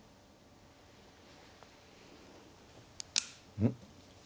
うん？